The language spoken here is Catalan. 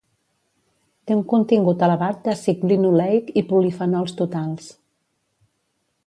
Té un contingut elevat d'àcid linoleic i polifenols totals.